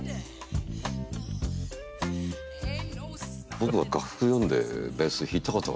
僕は楽譜読んでベース弾いたことがない。